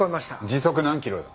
時速何キロだ？